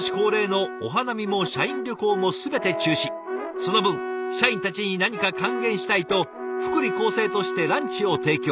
その分社員たちに何か還元したいと福利厚生としてランチを提供。